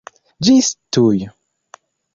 Ĝis tuj!